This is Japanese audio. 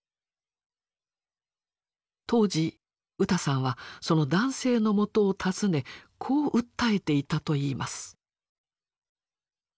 当時ウタさんはその男性のもとを訪ねこう訴えていたといいます。